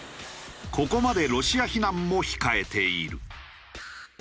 ここまでロシア非難も控えている。